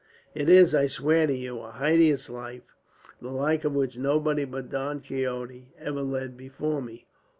"It is, I swear to you, a hideous life; the like of which nobody but Don Quixote ever led before me.